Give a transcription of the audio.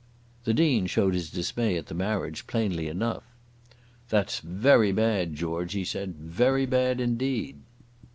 The Dean showed his dismay at the marriage plainly enough. "That's very bad, George," he said; "very bad indeed!"